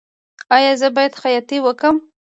ایا زه باید خیاطۍ وکړم؟